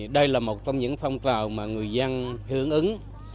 đây là một trong những phong trào mà người dân hưởng ứng